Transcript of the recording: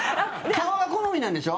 顔が好みなんでしょ？